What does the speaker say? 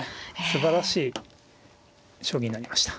すばらしい将棋になりました。